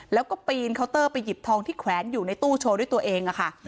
แล้วก็ปีนเคาน์เตอร์ไปหยิบทองที่แขวนอยู่ในตู้โชว์ด้วยตัวเองค่ะ